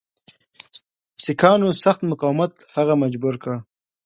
سیکهانو سخت مقاومت هغه مجبور کړ.